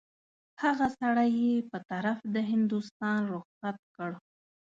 هغه سړی یې په طرف د هندوستان رخصت کړ.